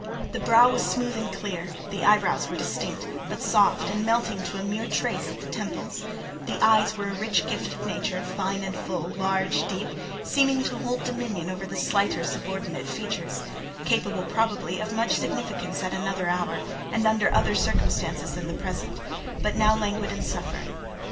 The brow was smooth and clear; the eyebrows were distinct, but soft, and melting to a mere trace at the temples; the eyes were a rich gift of nature—fine and full, large, deep, seeming to hold dominion over the slighter subordinate features—capable, probably, of much significance at another hour and under other circumstances than the present, but now languid and suffering.